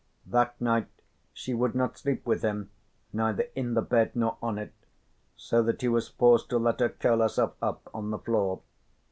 That night she would not sleep with him, neither in the bed nor on it, so that he was forced to let her curl herself up on the floor.